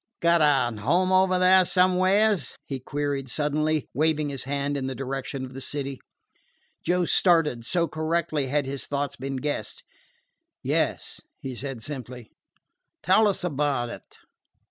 "Got a home over there somewheres?" he queried suddenly, waving his hand in the direction of the city. Joe started, so correctly had his thought been guessed. "Yes," he said simply. "Tell us about it."